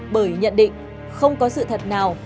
bởi nhận định không có sự thật nào